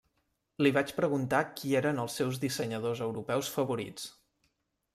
Li vaig preguntar qui eren els seus dissenyadors europeus favorits.